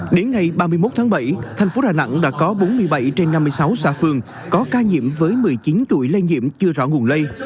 đến ngày ba mươi một tháng bảy thành phố đà nẵng đã có bốn mươi bảy trên năm mươi sáu xã phường có ca nhiễm với một mươi chín tuổi lây nhiễm chưa rõ nguồn lây